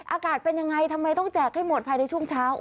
อากาศเป็นยังไงทำไมต้องแจกให้หมดภายในช่วงเช้า